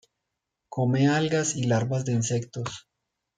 Come algas y larvas de insectos.